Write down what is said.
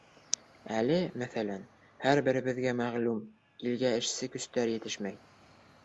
Әле, мәҫәлән, һәр беребеҙгә мәғлүм: илгә эшсе көстәр етешмәй.